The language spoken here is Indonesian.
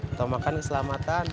untuk makan keselamatan